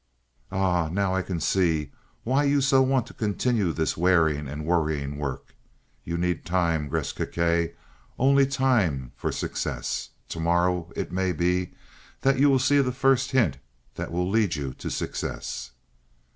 "Ah now I can see why you so want to continue this wearing and worrying work. You need time, Gresth Gkae, only time for success. Tomorrow it may be that you will see the first hint that will lead you to success."